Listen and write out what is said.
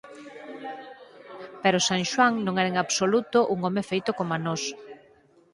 Pero San Xoán non era en absoluto un home feito coma nós.